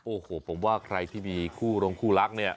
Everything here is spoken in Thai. โอ้โหผมว่าใครที่มีคู่รงคู่รักเนี่ย